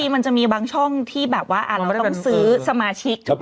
บางช่องที่เราต้องซื้อสมาชิก